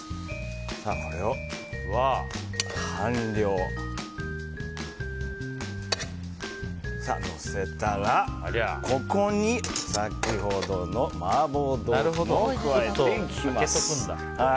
これを半量のせたらここに先ほどの麻婆豆腐を加えていきます。